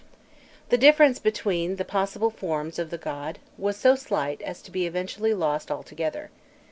The difference between the possible forms of the god was so slight as to be eventually lost altogether.